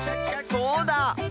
そうだ！